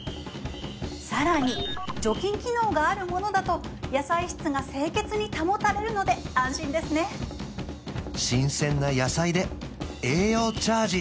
更に除菌機能があるものだと野菜室が清潔に保たれるので安心ですね新鮮な野菜で栄養チャージ